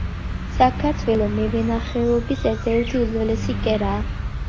საქართველო მევენახეობის ერთ-ერთი უძველესი კერაა.